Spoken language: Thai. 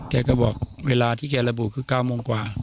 แกก็บอกเวลาที่แกระบุคือ๙โมงกว่า